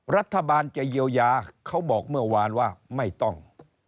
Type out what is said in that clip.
รัฐบาลจะเยียวยาเขาบอกเมื่อวานว่าไม่ต้อง